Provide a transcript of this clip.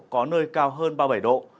có nơi cao hơn ba mươi bảy độ